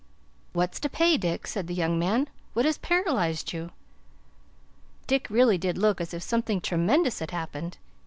"What's to pay, Dick?" said the young man. "What has paralyzed you?" Dick really did look as if something tremendous had happened.